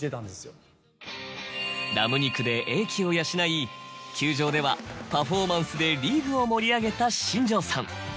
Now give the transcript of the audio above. ラム肉で英気を養い球場ではパフォーマンスでリーグを盛り上げた新庄さん。